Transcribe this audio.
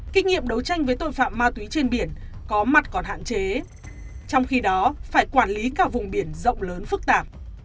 kinh nghiệm đấu tranh với tội phạm ma túy trên biển có mặt còn hạn chế trong khi đó phải quản lý cả vùng biển rộng lớn phức tạp